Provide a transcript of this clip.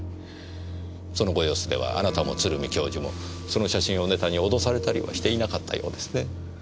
そのご様子ではあなたも鶴見教授もその写真をネタに脅されたりはしていなかったようですね。